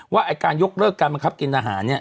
ว่าการยกเลิกการบังคับกินอาหาร